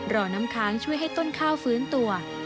รอน้ำค้างช่วยให้ต้นข้าวฟื้นตัว